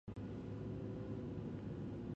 په ټوله نړۍ کې به وځلیږي.